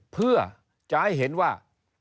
เพื่อจะให้เห็นว่า